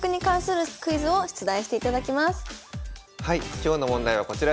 今日の問題はこちらです。